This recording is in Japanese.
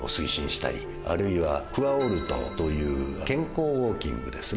あるいはクアオルトという健康ウオーキングですね。